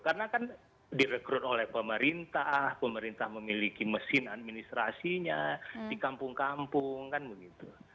karena kan direkrut oleh pemerintah pemerintah memiliki mesin administrasinya di kampung kampung kan begitu